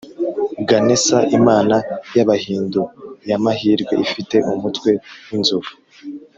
ganesa, imana y’abahindu y’amahirwe ifite umutwe w’inzovu